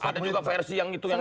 ada juga versi yang itu yang lain